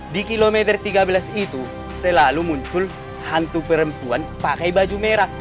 di kilometer tiga belas itu selalu muncul hantu perempuan pakai baju merah